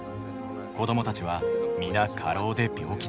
子どもたちは皆過労で病気だ。